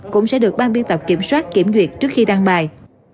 cũng sẽ được ban biên tập kiểm soát kiểm duyệt trước khi đăng bài